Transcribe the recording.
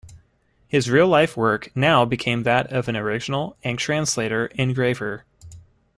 His real life-work now became that of an original and translator engraver.